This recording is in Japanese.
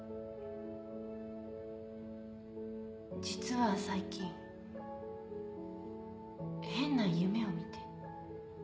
実は最近変な夢を見て。